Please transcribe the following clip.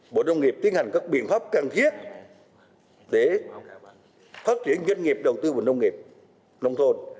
bộ đông nghiệp tiến hành các biện pháp cần thiết để phát triển doanh nghiệp đầu tư bình đông nghiệp nông thôn